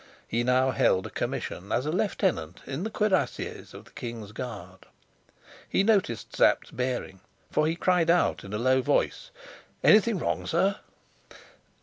He now held a commission as lieutenant in the cuirassiers of the King's Guard. He noticed Sapt's bearing, for he cried out in a low voice, "Anything wrong, sir?"